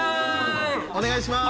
お願いします。